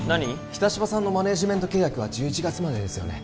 北芝さんのマネージメント契約は１１月までですよね